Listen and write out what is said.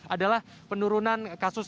adalah penurunan kasus